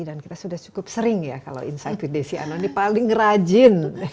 dan kita sudah cukup sering ya kalau insight with desi anon ini paling rajin